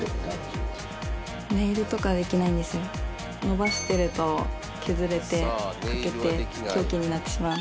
伸ばしてると削れて欠けて凶器になってしまうので。